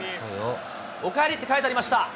おかえりって書いてありました。